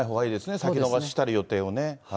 先延ばししたり、予定をね。